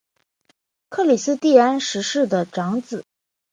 克里斯蒂安十世的长子。